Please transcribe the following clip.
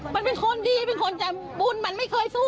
มันเป็นคนดีเป็นคนใจบุญมันไม่เคยสู้